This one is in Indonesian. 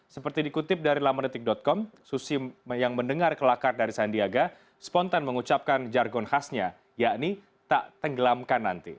seperti dikutip dari lamanetik com susi yang mendengar kelakar dari sandiaga spontan mengucapkan jargon khasnya yakni tak tenggelamkan nanti